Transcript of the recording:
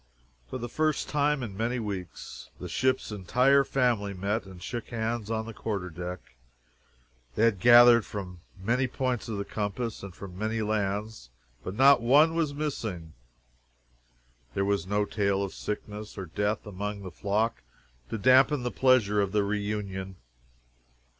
For the first time, in many weeks, the ship's entire family met and shook hands on the quarter deck. They had gathered from many points of the compass and from many lands, but not one was missing; there was no tale of sickness or death among the flock to dampen the pleasure of the reunion.